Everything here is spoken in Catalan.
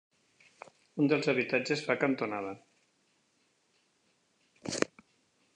Un dels habitatges fa cantonada.